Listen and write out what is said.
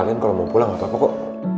kalian kalau mau pulang gak apa apa kok